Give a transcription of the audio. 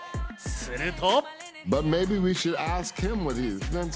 すると。